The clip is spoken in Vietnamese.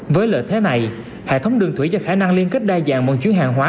với lợi thế này hệ thống đường thủy cho khả năng liên kết đa dạng vận chuyển hàng hóa